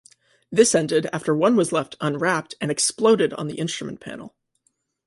This ended after one was left unwrapped and exploded on the instrument panel.